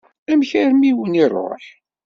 Amek armi i wen-iṛuḥ?